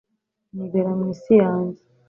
nibera mwisi yanjye